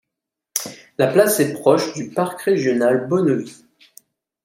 La place est proche du parc régional Bonnevie.